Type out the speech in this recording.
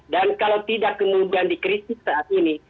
dan kalau tidak kemudian dikritik saat ini